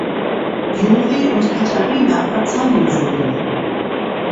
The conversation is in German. Juri und Katharina verzeihen Sybille.